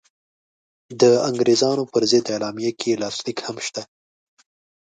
د انګرېزانو پر ضد اعلامیه کې یې لاسلیک هم شته.